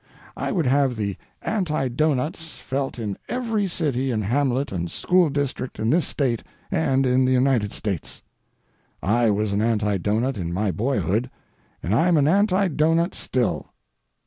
I would have the Anti Doughnuts felt in every city and hamlet and school district in this State and in the United States. I was an Anti Doughnut in my boyhood, and I'm an Anti Doughnut still.